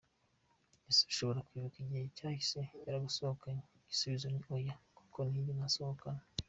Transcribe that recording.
Ese ushobora kwibuka igihe cyahise yaragusohokanye? Igisubizo ni Oya kuko ntiyigeze agusohokana.